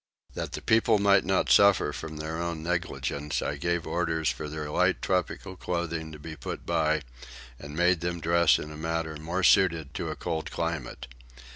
That the people might not suffer by their own negligence I gave orders for their light tropical clothing to be put by, and made them dress in a manner more suited to a cold climate.